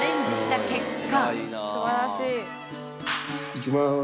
いきまーす。